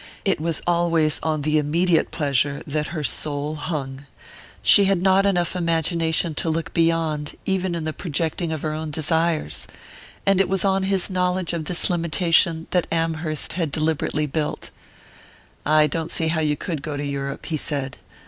It was always on the immediate pleasure that her soul hung: she had not enough imagination to look beyond, even in the projecting of her own desires. And it was on his knowledge of this limitation that Amherst had deliberately built. "I don't see how you could go to Europe," he said.